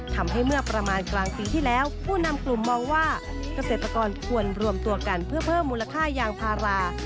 เมื่อประมาณกลางปีที่แล้วผู้นำกลุ่มมองว่าเกษตรกรควรรวมตัวกันเพื่อเพิ่มมูลค่ายางพารา